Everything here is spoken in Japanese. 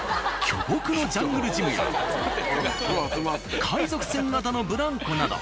巨木のジャングルジムや海賊船型のブランコなど。